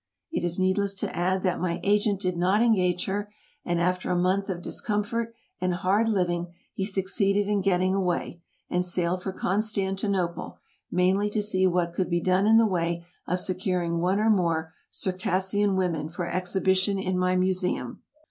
It is needless to add that my agent did not engage her; and after a month of discomfort and hard living, he succeeded in getting away, and sailed for Constantinople, mainly to see what could be done in the way of securing one or more Circassian women for exhibition in my Museum.